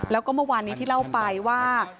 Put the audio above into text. แล้วก็เมื่อวานนี้ที่เล่าไปว่า